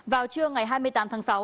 vào trưa ngày hai mươi tám tháng sáu